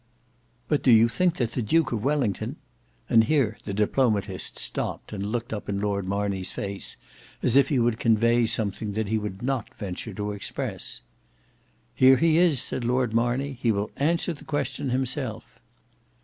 "But do you think that the Duke of Wellington—" and here the diplomatist stopped and looked up in Lord Marney's face, as if he would convey something that he would not venture to express. "Here he is," said Lord Marney, "he will answer the question himself."